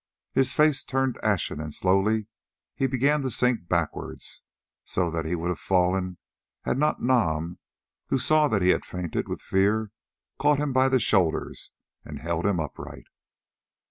His face turned ashen and slowly he began to sink backwards, so that he would have fallen had not Nam, who saw that he had fainted with fear, caught him by the shoulders and held him upright.